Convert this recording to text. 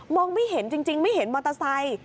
ไม่เห็นจริงไม่เห็นมอเตอร์ไซค์